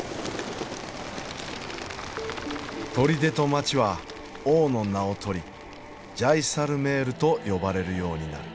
砦と街は王の名を取りジャイサルメールと呼ばれるようになる。